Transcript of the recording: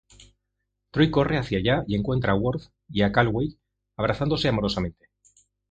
Troi corre hacia allá y encuentra a Worf y a Calloway abrazándose amorosamente.